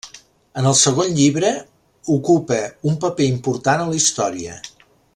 En el segon llibre ocupa un paper important a la història.